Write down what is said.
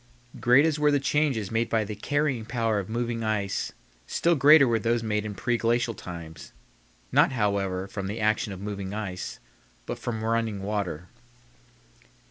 Great as were the changes made by the carrying power of moving ice, still greater were those made in preglacial times; not, however, from the action of moving ice, but from running water.